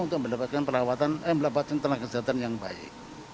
untuk mendapatkan tenaga kesehatan yang baik